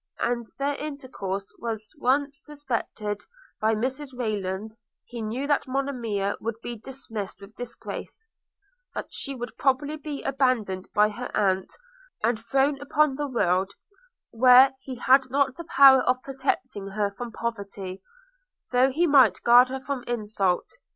If their intercourse was once suspected by Mrs Rayland, he knew that Monimia would be dismissed with disgrace; that she would probably be abandoned by her aunt, and thrown upon the world, where he had not the power of protecting her from poverty, though he might guard her from insult.